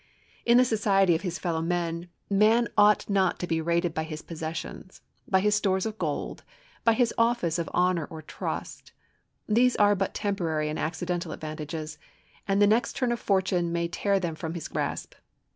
In the society of his fellow men man ought not to be rated by his possessions, by his stores of gold, by his office of honor or trust; these are but temporary and accidental advantages, and the next turn of fortune may tear them from his grasp.